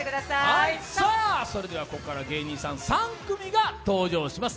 ここから芸人さん３組が登場します